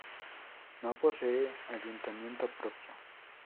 No posee ayuntamiento propio.